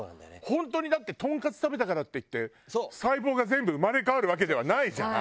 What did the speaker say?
本当にだってトンカツ食べたからっていって細胞が全部生まれ変わるわけではないじゃん。